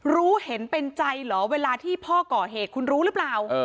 รู้เห็นเป็นใจเหรอเวลาที่พ่อก่อเหตุคุณรู้หรือเปล่า